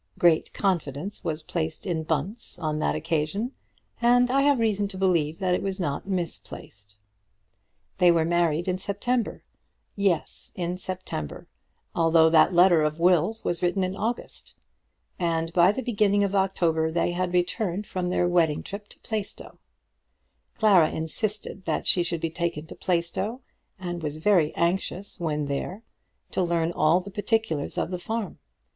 Great confidence was placed in Bunce on that occasion, and I have reason to believe that it was not misplaced. They were married in September; yes, in September, although that letter of Will's was written in August, and by the beginning of October they had returned from their wedding trip to Plaistow. Clara insisted that she should be taken to Plaistow, and was very anxious when there to learn all the particulars of the farm.